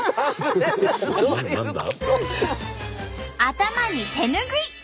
頭に手拭い！